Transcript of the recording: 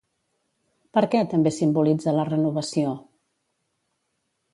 Per què també simbolitza la renovació?